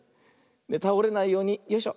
たおれないようによいしょ。